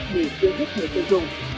để cứu hết người tiêu dùng